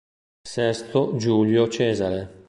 Sesto Giulio Cesare